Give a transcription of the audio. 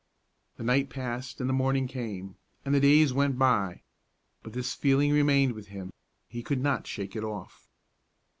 The night passed and the morning came, and the days went by; but this feeling remained with him, he could not shake it off.